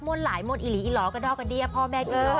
มวลพลักพลุเหมือนอีหรีอีหรอกระได้พ่อแม่ก็อีหรอกครับ